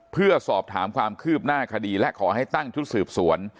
เพื่อสอบถามความคืบหน้าคดีและขอให้ตั้งชุดสืบสวน